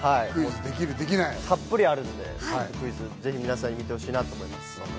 たっぷりあるので、ぜひ皆さんに見てほしいと思います。